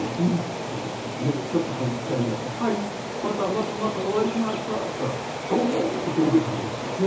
それでちょっとはすかいになって「はい。またまたまたお会いしました」って言ったらドーンとウケたんですね。